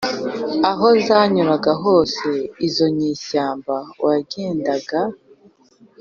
aho zanyuraga hose, izo nyeshyamba wagendaga